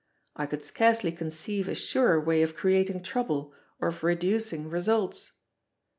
I could scarcely conceive a surer way of creating trouble, or of reducing results.